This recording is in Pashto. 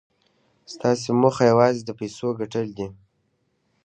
ستاسې موخه یوازې د پیسو ګټل دي